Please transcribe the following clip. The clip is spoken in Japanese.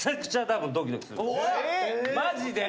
マジで。